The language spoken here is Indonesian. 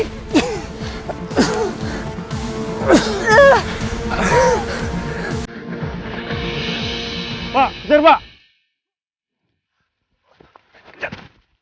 pak kejar pak